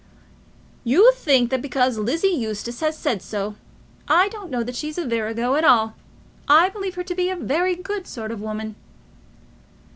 "You think that because Lizzie Eustace has said so. I don't know that she's a virago at all. I believe her to be a very good sort of woman."